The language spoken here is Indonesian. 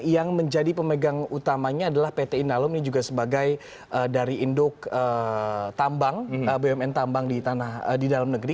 yang menjadi pemegang utamanya adalah pt inalum ini juga sebagai dari induk tambang bumn tambang di dalam negeri